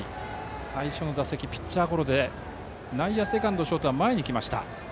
最初の打席はピッチャーゴロで内野セカンド、ショートは前に来ています。